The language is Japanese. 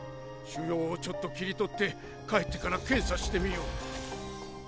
腫瘍をちょっと切り取って帰ってから検査してみよう。